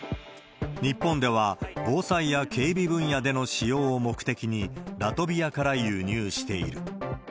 日本では、防災や警備分野での使用を目的に、ラトビアから輸入している。